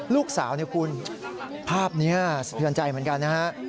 ลูกสาวเนี่ยคุณภาพนี้สะเทือนใจเหมือนกันนะฮะ